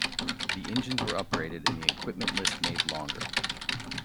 The engines were upgraded, and the equipment list made longer.